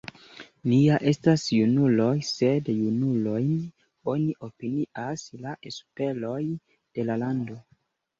Ni ja estas junuloj, sed junulojn oni opinias la esperoj de la lando!